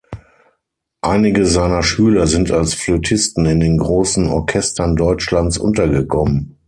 Einige seiner Schüler sind als Flötisten in den großen Orchestern Deutschlands untergekommen.